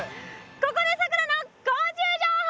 ここでさくらの昆虫情報！